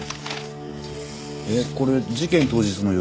えっこれ事件当日の夜？